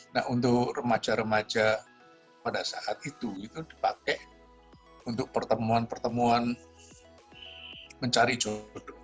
nah untuk remaja remaja pada saat itu itu dipakai untuk pertemuan pertemuan mencari jodoh